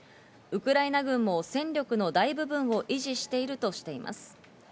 ウクライナ軍も戦力の大部分を維持しているとしています。